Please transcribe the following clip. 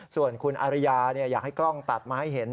ส่วนคุณอาริยาอยากให้กล้องตัดมาให้เห็น